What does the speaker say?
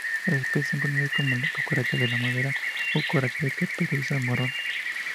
Las especies son conocidas como cucarachas de la madera o cucarachas de caperuza marrón.